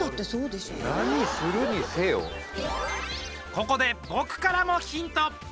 ここで僕からもヒント。